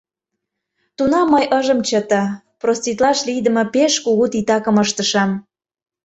Тунам мый ыжым чыте — проститлаш лийдыме пеш кугу титакым ыштышым.